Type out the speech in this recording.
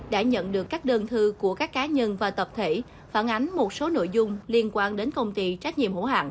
đã nhận được các đơn thư của các cá nhân và tập thể phản ánh một số nội dung liên quan đến công ty trách nhiệm hữu hạng